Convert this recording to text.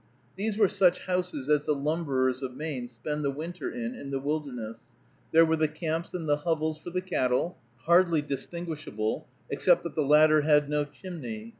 These were such houses as the lumberers of Maine spend the winter in, in the wilderness. There were the camps and the hovels for the cattle, hardly distinguishable, except that the latter had no chimney.